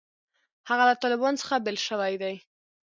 هغه له طالبانو څخه بېل شوی دی.